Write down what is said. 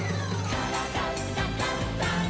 「からだダンダンダン」